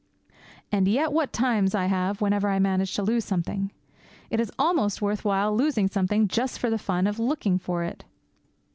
And yet, what times I have whenever I manage to lose something! It is almost worth while losing something just for the fun of looking for it!